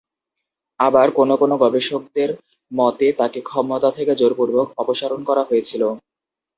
আবার কোন কোন গবেষকদের মতে তাকে ক্ষমতা থেকে জোরপূর্বক অপসারণ করা হয়েছিল।